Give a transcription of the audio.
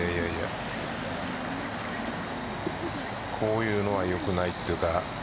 こういうのは良くないというか。